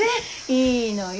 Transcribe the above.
いいのよ